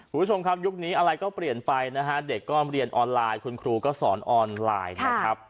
คุณผู้ชมครับยุคนี้อะไรก็เปลี่ยนไปนะฮะเด็กก็เรียนออนไลน์คุณครูก็สอนออนไลน์นะครับ